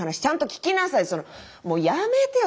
もうやめてよ！